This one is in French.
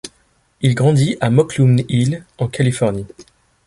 Il grandit à Mokelumne Hill en Californie.